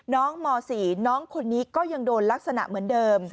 ม๔น้องคนนี้ก็ยังโดนลักษณะเหมือนเดิม